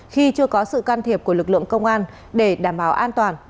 khi chưa có sự can thiệp của lực lượng công an để đảm bảo an toàn